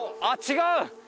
あっ違う！